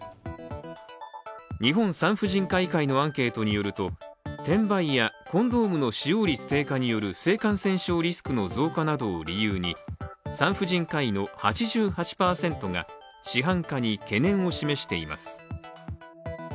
日本産婦人科医会のアンケートによると転売や、コンドームの使用率低下による性感染症リスクの増加などを理由に産婦人科医の８８％が、市販化に懸念を示しています。